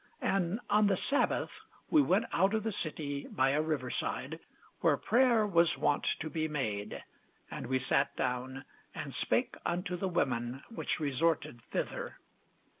And on the sabbath we went out of the city by a river side, where prayer was wont to be made; and we sat down, and spake unto the women which resorted thither.